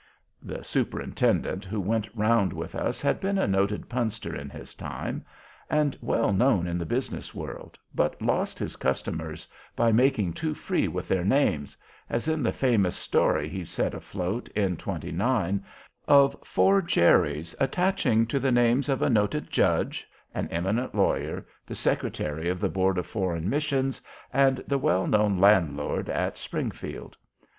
The Superintendent, who went round with us, had been a noted punster in his time, and well known in the business world, but lost his customers by making too free with their names—as in the famous story he set afloat in '29 of four Jerries attaching to the names of a noted Judge, an eminent Lawyer, the Secretary of the Board of Foreign Missions, and the well known Landlord at Springfield.